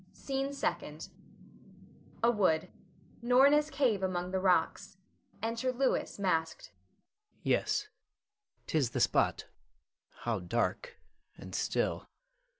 SCENE SECOND. [A wood. Norna's cave among the rocks. Enter Louis masked.] Louis. Yes; 'tis the spot. How dark and still!